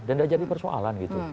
dan tidak jadi persoalan gitu